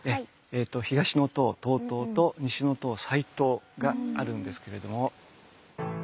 東の塔東塔と西の塔西塔があるんですけれども。